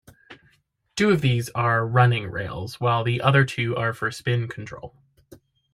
Two of these are running rails while the other two are for spin control.